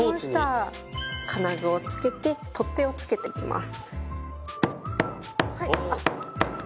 金具を付けて取っ手を付けていきます。